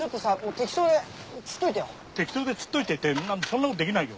適当で釣っといてってそんなことできないよ。